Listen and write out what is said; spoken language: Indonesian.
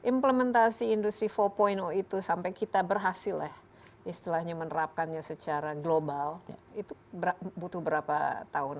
implementasi industri empat itu sampai kita berhasil lah istilahnya menerapkannya secara global itu butuh berapa tahun